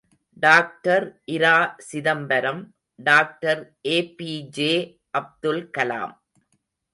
Doctor R. Chidambaram, doctor ஏபிஜே.அப்துல்கலாம்.